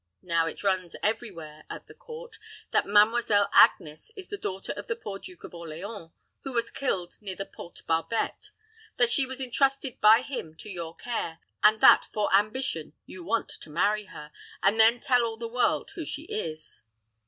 Now, it runs every where at the court that Mademoiselle Agnes is the daughter of the poor Duke of Orleans, who was killed near the Porte Barbette; that she was intrusted by him to your care; and that, for ambition, you want to marry her, and then tell all the world who she is."